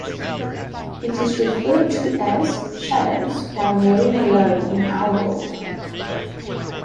It is referred to as 'Shadows' by Mary Malone, in our world.